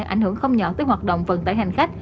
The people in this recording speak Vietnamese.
ảnh hưởng không nhỏ tới hoạt động vận tải hành khách